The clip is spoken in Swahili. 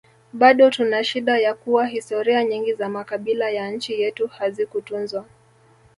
Bado tunashida ya kuwa historia nyingi za makabila ya nchi yetu hazikutunzwa